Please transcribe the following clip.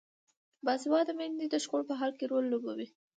باسواده میندې د شخړو په حل کې رول لوبوي.